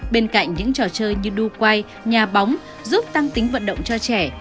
bên cạnh những trò chơi như đua quay nhà bóng giúp tăng tính vận động cho trẻ